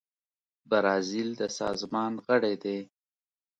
برازیل د سازمان غړی دی.